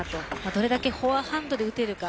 どれだけフォアハンドで打てるか。